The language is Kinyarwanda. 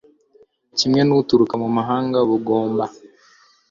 kimwe n uturuka mu mahanga bugomba